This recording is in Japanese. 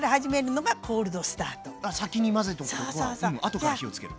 後から火をつける。